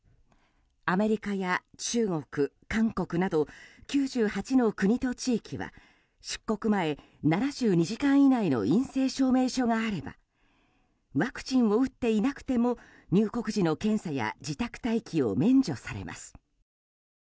アメリカや中国、韓国など９８の国と地域は出国前７２時間以内の陰性証明書があればワクチンを打っていなくても入国時の検査や自宅待機を免除されます。